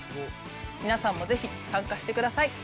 皆さんもぜひ参加してください。